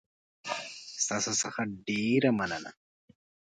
ستاسو څخه ډېره مننه